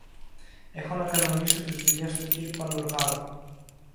Έχω να κανονίσω τις δουλειές του κυρ-Πανουργάκου.